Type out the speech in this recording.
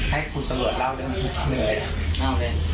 ให้คุณสะลดเล่าด้วย